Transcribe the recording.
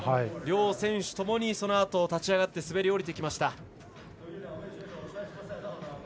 両選手ともにそのあと立ち上がって滑り降りてきました。